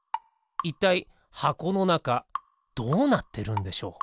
いったいはこのなかどうなってるんでしょう？